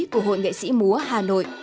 của hội nghệ sĩ múa hà nội